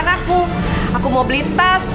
aku gak mau mas